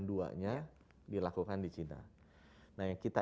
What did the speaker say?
duanya dilakukan di china nah yang kita